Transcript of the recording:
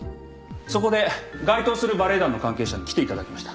そこで該当するバレエ団の関係者に来ていただきました。